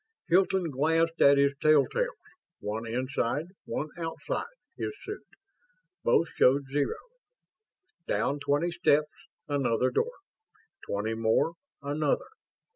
Hilton glanced at his tell tales, one inside, one outside, his suit. Both showed zero. Down twenty steps, another door. Twenty more; another.